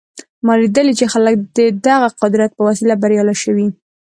ما لیدلي چې خلک د دغه قدرت په وسیله بریالي شوي